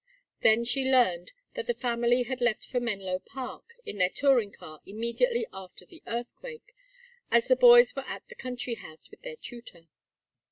Then she learned that the family had left for Menlo Park in their touring car immediately after the earthquake, as the boys were at the country house with their tutor.